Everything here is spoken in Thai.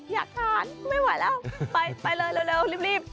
อยากทานไม่ไหวแล้วไปเลยเร็วรีบ